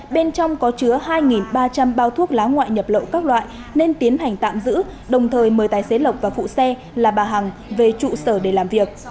bên trong có chứa hai ba trăm linh bao thuốc lá ngoại nhập lộ các loại nên tiến hành tạm giữ đồng thời mời tài xế lộc và phụ xe là bà hằng về trụ sở để làm việc